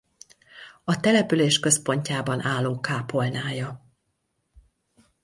A település központjában álló kápolnája.